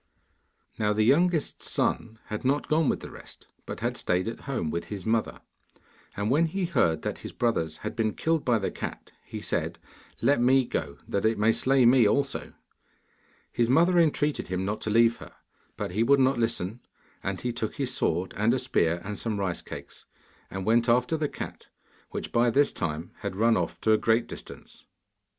Now the youngest son had not gone with the rest, but had stayed at home with his mother; and when he heard that his brothers had been killed by the cat he said, 'Let me go, that it may slay me also.' His mother entreated him not to leave her, but he would not listen, and he took his sword and a spear and some rice cakes, and went after the cat, which by this time had run of to a great distance.